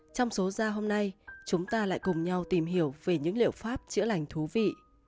trong số ra hôm nay chúng ta lại cùng nhau tìm hiểu về những liệu pháp chữa lành thú vị